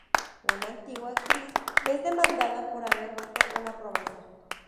Una antigua actriz es demandada por haber roto una promesa.